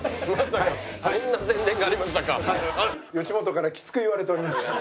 吉本からきつく言われております。